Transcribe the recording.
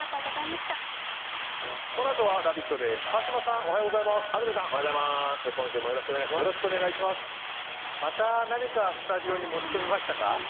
また何かスタジオに持ち込みましたか？